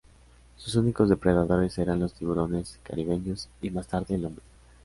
Sus únicos depredadores eran los tiburones caribeños y, más tarde, el hombre.